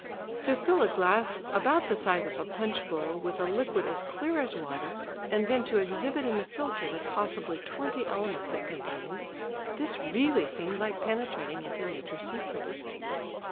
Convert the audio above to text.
To fill a glass about the size of a punch bowl with a liquid as clear as water and then to exhibit in the filter the possibly twenty elements it contained, this really seemed like penetrating into nature's secrets.